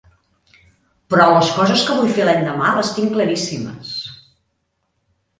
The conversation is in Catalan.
Però les coses que vull fer l'endemà les tinc claríssimes.